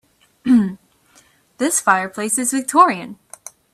This fireplace is Victorian.